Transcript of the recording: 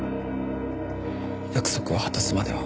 約束を果たすまでは。